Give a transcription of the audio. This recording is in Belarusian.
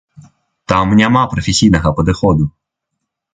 Там няма прафесійнага падыходу.